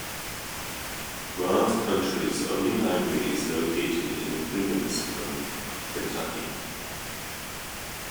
Grant County's only library is located in Williamstown, Kentucky.